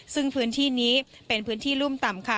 ซึ่งพื้นที่นี้เป็นพื้นที่รุ่มต่ำค่ะ